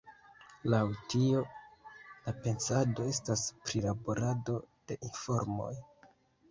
Laŭ tio la pensado estas prilaborado de informoj.